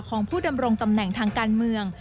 ของผู้ดำรงตำแหน่งทางการเมือง